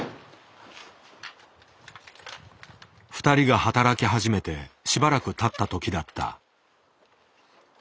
２人が働き始めてしばらくたった時だった。